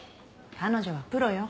彼女はプロよ。